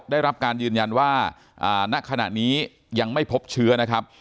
ได้รับการยืนยันว่าณขณะนี้ยังไม่พบเชื้อนะครับ